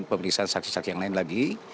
pemeriksaan saksi saksi yang lain lagi